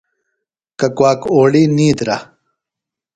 ککواک اوڑی نِیدرہ۔